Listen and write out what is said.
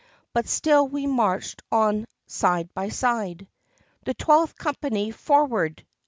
But still we marched on side by side. "The Twelfth Company forward!"